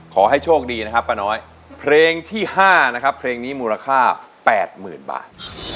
ขอให้โชคดีนะครับป้าน้อยเพลงที่๕นะครับเพลงนี้มูลค่า๘๐๐๐บาท